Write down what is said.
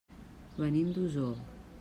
Venim d'Osor.